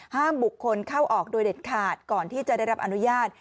ห้ามบุคคลเข้าออกโดยเด็ดขาดก่อนที่จะได้รับอนุญาต